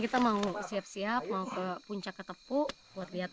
kalau mal electrolysis dan tidak suka harus jalan pada malaikat